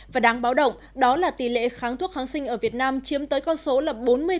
và đáng báo động đó là tỷ lệ kháng thuốc kháng sinh ở việt nam chiếm tới con số là bốn mươi